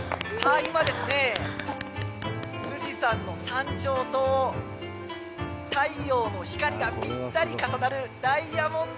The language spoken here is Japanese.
今、富士山の山頂と太陽の光がぴったり重なるダイヤモンド